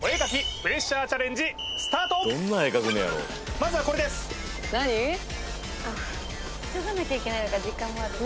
まずはこれですあっ